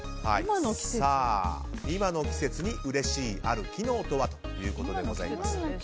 今の季節にうれしいある機能とは？ということでございます。